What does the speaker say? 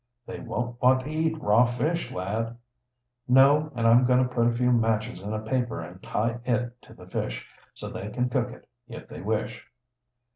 "They won't want to eat raw fish, lad." "No, and I'm going to put a few matches in a paper and tie it to the fish, so they can cook it, if they wish."